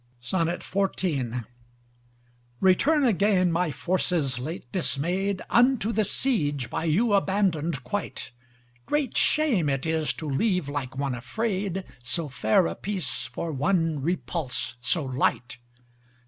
XIV Return again my forces late dismayed, Unto the siege by you abondon'd quite, Great shame it is to leave like one afraid, So fair a peace for one repulse so light.